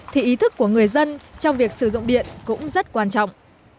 thì ý thức của người dân trong việc sử dụng điện cũng rất quan trọng